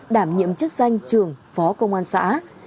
đảm nhiệm chức danh trưởng phó công an xã